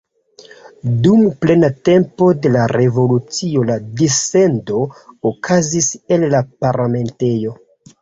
Dum plena tempo de la revolucio la dissendo okazis el la parlamentejo.